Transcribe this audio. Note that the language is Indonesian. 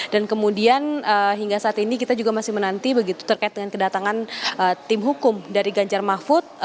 dan kemudian hingga saat ini kita juga masih menanti begitu terkait dengan kedatangan tim hukum dari ganjar mahfud